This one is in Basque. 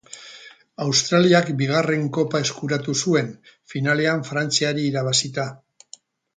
Australiak bigarren Kopa eskuratu zuen, finalean Frantziari irabazita.